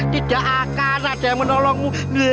tidak akan ada yang menolongmu